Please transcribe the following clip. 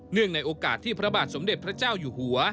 ในโอกาสที่พระบาทสมเด็จพระเจ้าอยู่หัว